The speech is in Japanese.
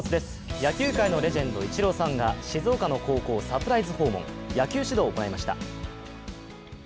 野球界のレジェンド、イチローさんが静岡の高校をサプライズ訪問、野球指導を行いました。